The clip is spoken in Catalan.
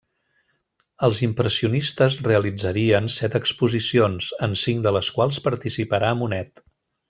Els impressionistes realitzarien set exposicions, en cinc de les quals participarà Monet.